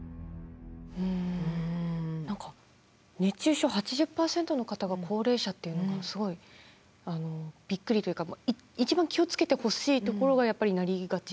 何か熱中症８０％の方が高齢者っていうのがすごいびっくりというか一番気を付けてほしいところがやっぱりなりがち。